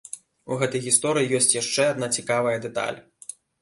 У гэтай гісторыі ёсць яшчэ адна цікавая дэталь.